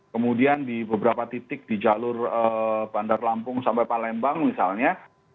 kemudian di beberapa titik di jalur bandar lampung sampai palembang misalnya